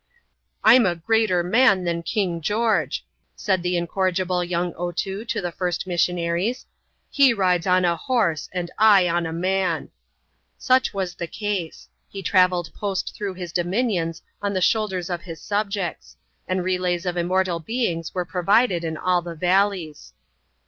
" I'm a greater man than King George," said the incorrigible young Otoo, to the first missionaries !" he rides on a horse, and I on a man !" Such was the case. He travelled post through his dominions on the shoulders of his subjects ; and relays of immortal beings were provided in all the valleys.